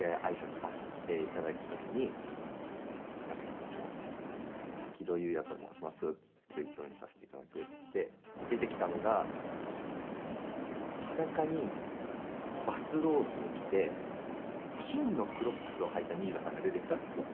こんこん、木戸邑弥と申します次、共演させていただくつって出てきたのが裸にバスローブを着て金のクロックスを履いた新納さんが出てきたんですよ。